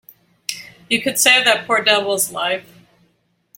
You could save that poor devil's life.